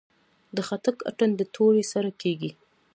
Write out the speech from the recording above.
د خټک اتن د تورې سره کیږي.